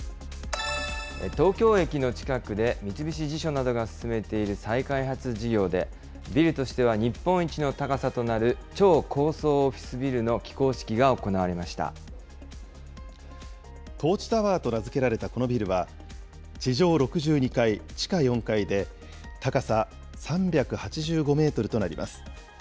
東京駅の近くで三菱地所などが進めている再開発事業で、ビルとしては日本一の高さとなる超高層オフィスビルの起工式が行トーチタワーと名付けられたこのビルは、地上６２階、地下４階で、高さ３８５メートルとなります。